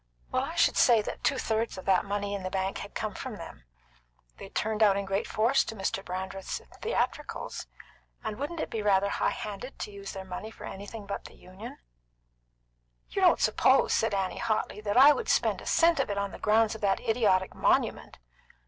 "Well, I should say that two thirds of that money in the bank had come from them. They turned out in great force to Mr. Brandreth's theatricals. And wouldn't it be rather high handed to use their money for anything but the Union?" "You don't suppose," said Annie hotly, "that I would spend a cent of it on the grounds of that idiotic monument?